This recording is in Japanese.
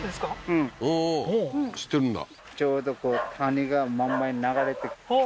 うんおおー知ってるんだ